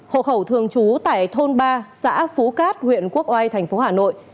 hộ khẩu thường trú tại thôn ba xã phú cát huyện quốc oai thành phố hà nội